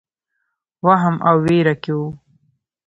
وهم او وېره کې وو.